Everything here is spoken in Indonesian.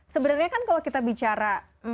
sebenarnya kan kalau kita bicara